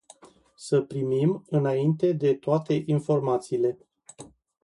Să primim înainte de toate informațiile.